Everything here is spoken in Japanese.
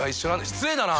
失礼だな！